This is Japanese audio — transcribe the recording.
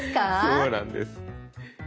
そうなんです。